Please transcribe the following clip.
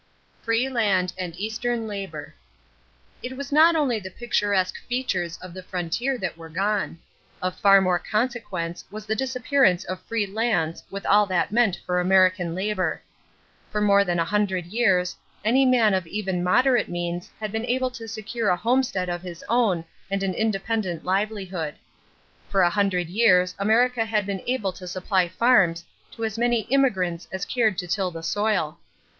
=Free Land and Eastern Labor.= It was not only the picturesque features of the frontier that were gone. Of far more consequence was the disappearance of free lands with all that meant for American labor. For more than a hundred years, any man of even moderate means had been able to secure a homestead of his own and an independent livelihood. For a hundred years America had been able to supply farms to as many immigrants as cared to till the soil.